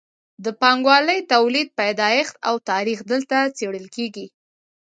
د پانګوالي تولید پیدایښت او تاریخ دلته څیړل کیږي.